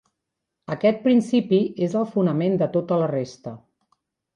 Aquest principi és el fonament de tota la resta.